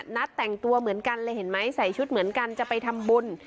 นัดแต่งตัวเหมือนกันเลยเห็นไหมใส่ชุดเหมือนกันจะไปทำบุญ